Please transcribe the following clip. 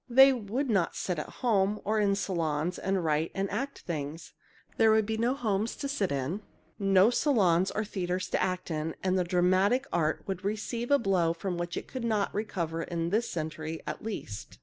They would not sit at home or in salons and write and act things. There would be no homes to sit in, no salons or theatres to act in, and dramatic art would receive a blow from which it could not recover in a century, at least.